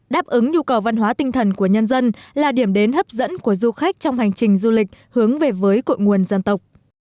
đáp ứng nhu cầu văn hóa tinh thần của nhân dân là điểm đến hấp dẫn của du khách trong hành trình du lịch hướng về với cội nguồn dân tộc